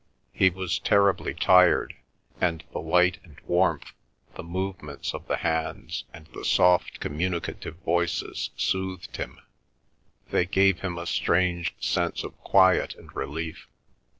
He was terribly tired, and the light and warmth, the movements of the hands, and the soft communicative voices soothed him; they gave him a strange sense of quiet and relief.